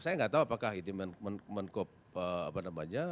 saya enggak tahu apakah ini menkop apa namanya